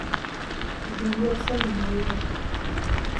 Tas bija ļoti saviļņojoši.